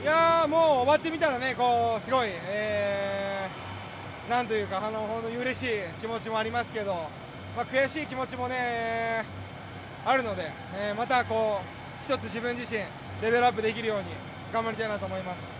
終わってみたら、すごいなんというか本当にうれしい気持ちもありますけど悔しい気持ちもあるのでまた１つ、自分自身レベルアップできるように頑張りたいなと思います。